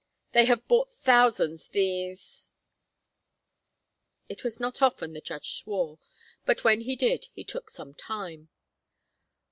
They have bought thousands, these (it was not often the judge swore, but when he did he took some time).